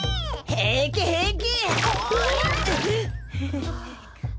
平気平気！